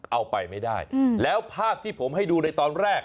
เอาไปไม่ได้แล้วภาพที่ผมให้ดูในตอนแรก